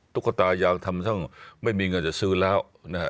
ตุ๊กตายาวทำทั้งไม่มีเงินจะซื้อแล้วนะฮะ